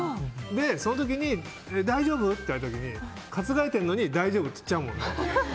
その時に大丈夫？って言われた時に担がれてるのに大丈夫って言っちゃうもんね。